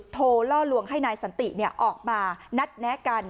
โทรล่อลวงให้นายสันติเนี่ยออกมานัดแนะกัน